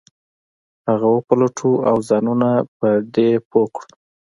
هغه وپلټو او ځانونه پر دې پوه کړو.